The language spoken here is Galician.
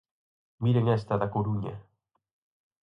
Miren esta da Coruña.